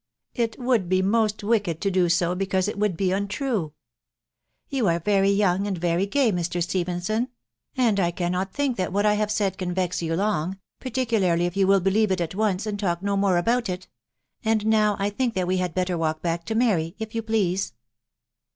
" It would be most wicked to do so because it would be untrue. You are very young and very gay, Mr. Stephenson ; and I cannot think that what I have said can vex you long, particularly if you will believe it at once, and talk no more about it. And now I think that we had better walk back to Mary, if you please."